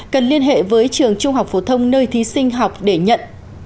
cần liên hệ với trường trung học phổ thông nơi thí sinh học để nhận